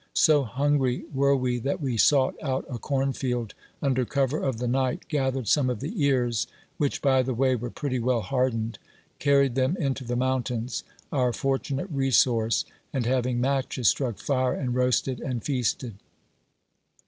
So hungry were ve, that we sought out a cornfield, under cover of the night, gathered some of the ears, — which, by the way, were pretty well hardened, — carried them into the mountains, — our fortunate resource, — and, having matches, struck fire, and roasted and feasted.